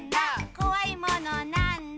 「こわいものなんだ？」